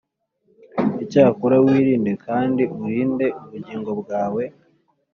Icyakora wirinde kandi urinde ubugingo bwawe